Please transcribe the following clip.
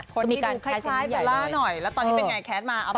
คนที่ดูใครเบลล์ล่าหน่อยแล้วตอนนี้เป็นไงแคสส์มาเอาไปไหน